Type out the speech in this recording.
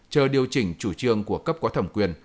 chờ điều chỉnh chủ trương của cấp có thẩm quyền